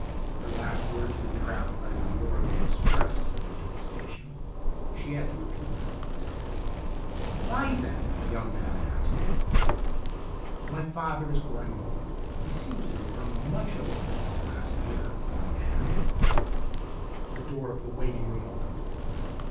Her last words were drowned by the roar of the express as it entered the station. She had to repeat them. " Why, then ?" the young man asked. " My father is growing old. He seems to have grown much older in this last year, and " The door of the waiting room opened.